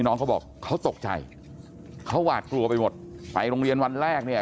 น้องเขาบอกเขาตกใจเขาหวาดกลัวไปหมดไปโรงเรียนวันแรกเนี่ย